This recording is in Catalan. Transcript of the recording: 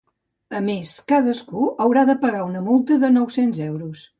A més, cadascun haurà de pagar una multa de nou-cents euros.